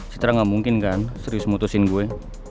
citra gak mungkin kan serius mutusin gue